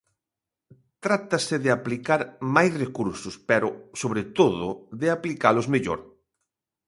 Trátase de aplicar máis recursos pero, sobre todo, de aplicalos mellor.